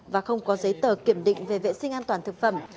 và không có giấy tờ kiểm định về vệ sinh an toàn thực phẩm